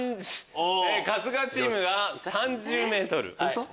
春日チームが３０ｍ？